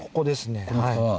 この川。